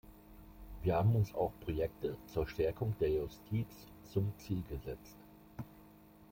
Wir haben uns auch Projekte zur Stärkung der Justiz zum Ziel gesetzt.